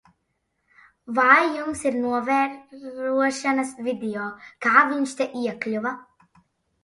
Vai jums ir novērošanas video, kā viņš te iekļuva?